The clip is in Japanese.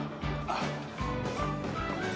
あっ。